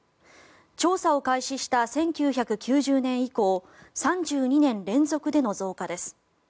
調査を開始した１９９０年以降３２年連続での増加です。